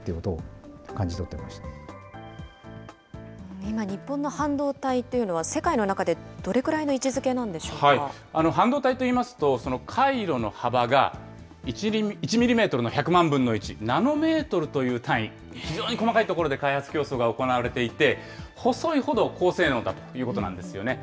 今、日本の半導体というのは世界の中でどれくらいの位置づけなんでし半導体といいますと、回路の幅が１ミリメートルの１００万分の１、ナノメートルという単位、非常に細かいところで開発競争が行われていて、細いほど高性能だということなんですよね。